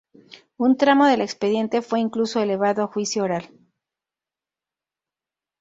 Un tramo del expediente fue incluso elevado a juicio oral.